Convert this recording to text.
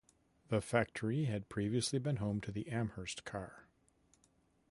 The factory had previously been home to the Amherst car.